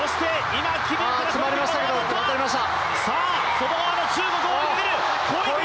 外側の中国を追いかける、小池！